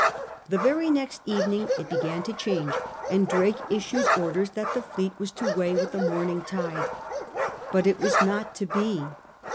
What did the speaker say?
The very next evening it began to change and Drake issued orders that the fleet was to weigh with the morning tide. But it was not to be.